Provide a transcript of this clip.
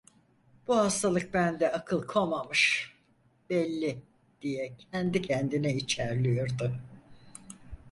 Bu hastalık bende akıl komamış, belli diye kendi kendine içerliyordu.